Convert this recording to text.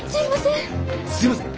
すいません。